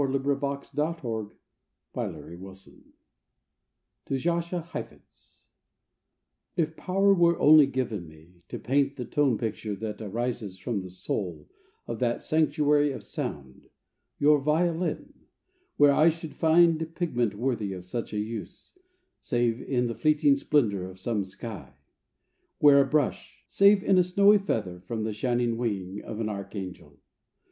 DAY DREAMS STRADIVARIUS (To Jascha Heifetz) If power were only given me, To paint the tone picture that arises from the soul Of that sanctuary of sound — your violin, Where would I find pigment worthy of such a use, Save in the fleeting splendour of some sky. Where a brush — save in a snowy feather From the shining wing of an archangel.